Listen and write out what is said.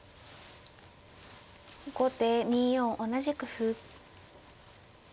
後手２四同じく歩。